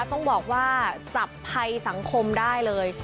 ต้องบอกว่าจับภัยสังคมได้เลย